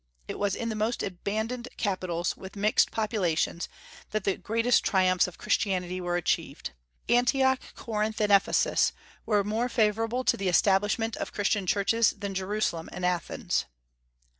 It was in the most abandoned capitals, with mixed populations, that the greatest triumphs of Christianity were achieved. Antioch, Corinth, and Ephesus were more favorable to the establishment of Christian churches than Jerusalem and Athens.